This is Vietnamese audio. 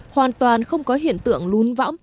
hoàn toàn không có hiện tượng lún võng